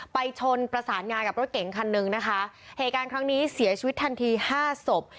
ชนประสานงากับรถเก๋งคันหนึ่งนะคะเหตุการณ์ครั้งนี้เสียชีวิตทันทีห้าศพ